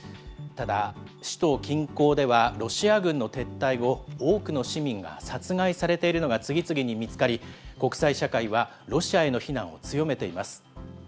ただ、首都近郊ではロシア軍の撤退後、多くの市民が殺害されているのが次々に見つかり、国際社会はロシアへの非難を強めています。